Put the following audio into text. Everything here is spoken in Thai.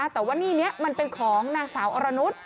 แต่ว่าหนี้นี้มันเป็นของนางสาวอรนุษย์